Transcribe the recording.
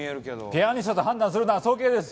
ピアニストと判断するのは早計です！